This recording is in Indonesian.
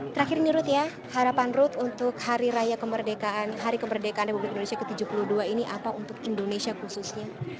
terakhir ini rut ya harapan ruth untuk hari raya kemerdekaan hari kemerdekaan republik indonesia ke tujuh puluh dua ini apa untuk indonesia khususnya